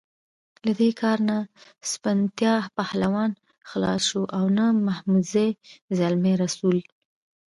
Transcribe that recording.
له دې کار نه سپنتا پهلوان خلاص شو او نه محمدزی زلمی رسول.